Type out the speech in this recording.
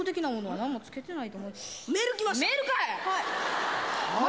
「はい！」